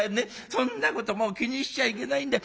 そんなこともう気にしちゃいけないんだよ。